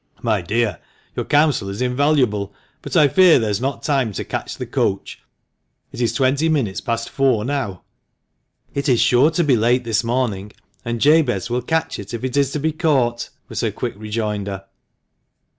" My dear, your counsel is invaluable, but I fear there is not time to catch the coach ; it is twenty minutes past four now." "It is sure to be late this morning^ and Jabez will catch it if it is to be caught," was her quick rejoinder.